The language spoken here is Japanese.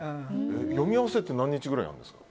読み合わせって何日ぐらいやるんですか？